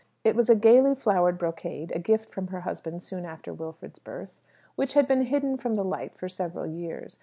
It was a gaily flowered brocade (a gift from her husband soon after Wilfrid's birth), which had been hidden from the light for several years.